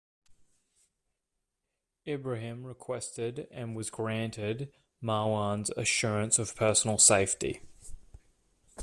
Ibrahim requested and was granted Marwan's assurance of personal safety.